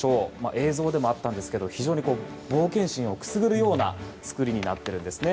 映像でもあったんですけど非常に冒険心をくすぐるような造りになっているんですね。